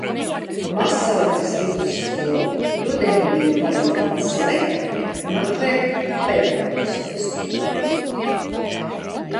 Mazsalacas vidusskolu rudenī bija paredzēts slēgt un atvērt pedagoģisko skolu.